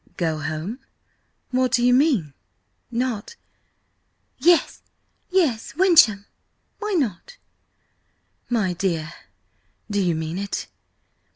"Go home? What do you mean? Not—" "Yes, yes–Wyncham! Why not?" "My dear, do you mean it?"